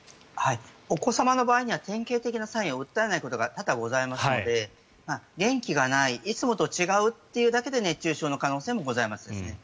お子様の場合には典型的なサインを訴えないことが多々ございますので元気がない、いつもと違うだけで熱中症の可能性もございます。